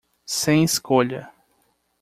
Sem escolha